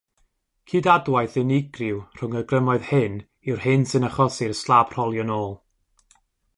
Cydadwaith unigryw rhwng y grymoedd hyn yw'r hyn sy'n achosi i'r slab rholio'n ôl.